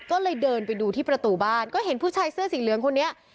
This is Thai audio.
ก็เลยเดินไปดูที่ประตูบ้านก็เห็นผู้ชายเสื้อสีเหลืองคนนี้